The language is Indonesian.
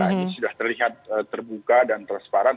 ini sudah terlihat terbuka dan transparan